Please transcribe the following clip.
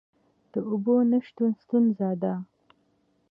د اوبو نشتون ستونزه ده؟